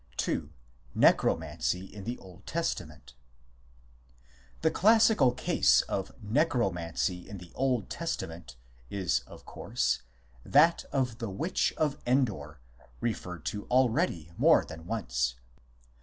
II. NECROMANCY IN THE OLD TESTAMENT The classical case of Necromancy in the Old Testament is, of course, that of the witch of Endor, referred to already more than once.